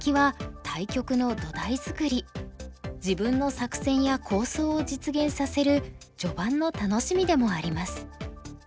中でも自分の作戦や構想を実現させる序盤の楽しみでもあります。